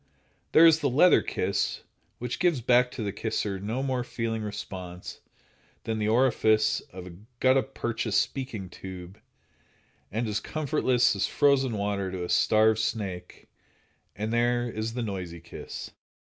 There is the leather kiss, which gives back to the kisser no more feeling response than the orifice of a gutta percha speaking tube, and as comfortless as frozen water to a starved snake; and there is the noisy kiss.